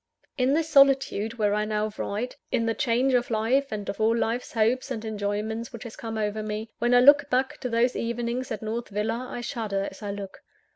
In this solitude where I now write in the change of life and of all life's hopes and enjoyments which has come over me when I look back to those evenings at North Villa, I shudder as I look.